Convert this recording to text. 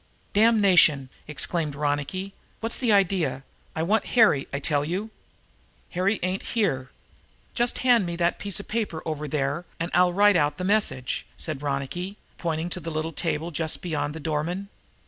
"Damnation!" exclaimed Ronicky. "What's the idea? I want Harry, I tell you." "Harry ain't here." "Just hand me that piece of paper over there, and I'll write out the message," said Ronicky, pointing to the little table just beyond the doorman.